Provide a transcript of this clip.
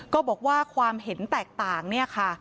ก็บอกว่าความเห็นแตกต่างเนี่ยค่ะ